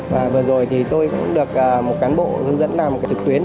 vừa rồi tôi cũng được một cán bộ hướng dẫn làm trực tuyến